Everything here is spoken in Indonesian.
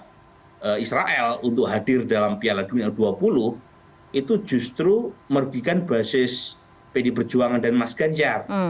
karena israel untuk hadir dalam piala dunia u dua puluh itu justru merugikan basis pdi perjuangan dan mas ganjar